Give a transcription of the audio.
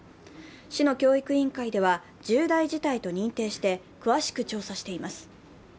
市の教育委員会では重大事態と認定して詳しく調査しています。